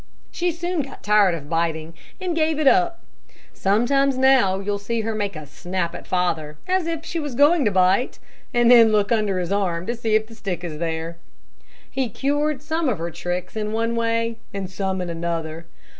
She soon got tired of biting, and gave it up. Sometimes now, you'll see her make a snap at father as if she was going to bite, and then look under his arm to see if the stick is there. He cured some of her tricks in one way, and some in another.